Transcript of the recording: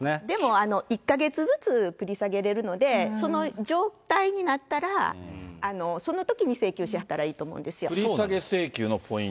でも１か月ずつ繰り下げられるので、その状態になったら、そのときに請求しはったらいいと思うんですよ。